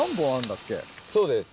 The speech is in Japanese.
そうです。